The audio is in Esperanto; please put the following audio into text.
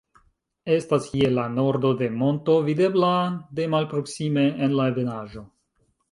Estas je la nordo de monto videbla de malproksime en la ebenaĵo.